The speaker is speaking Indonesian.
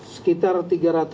sekitar tiga jam